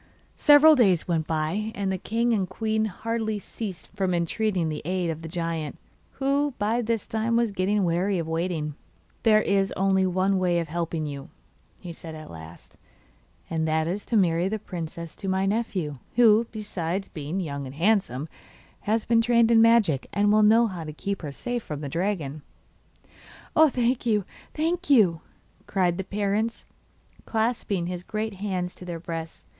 Several days went by, and the king and queen hardly ceased from entreating the aid of the giant, who by this time was getting weary of waiting. 'There is only one way of helping you,' he said at last, 'and that is to marry the princess to my nephew, who, besides being young and handsome, has been trained in magic, and will know how to keep her safe from the dragon.' 'Oh, thank you, thank you!' cried the parents, clasping his great hands to their breasts.